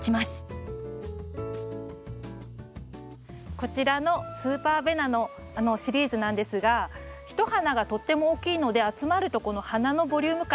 こちらのスーパーベナのシリーズなんですがひと花がとっても大きいので集まるとこの花のボリューム感